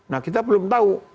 nah kita belum tahu